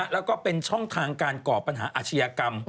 แล้วก็เป็นช่องทางการก่อปัญหาอาชญากรรม